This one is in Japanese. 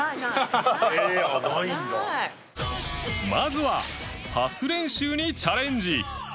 まずはパス練習にチャレンジ